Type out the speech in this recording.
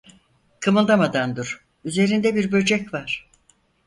Kımıldamadan dur, üzerinde bir böcek var.